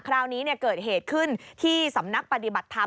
คราวนี้เกิดเหตุขึ้นที่สำนักปฏิบัติธรรม